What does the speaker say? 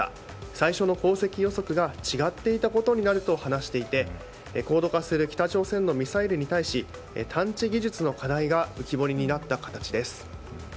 最初の航跡予測が違っていたことになると話していて、高度化する北朝鮮のミサイルに対し探知技術の課題が浮き彫りになった形です。